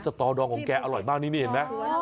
สตอดองของแกอร่อยมากนี้รึไม่เห็น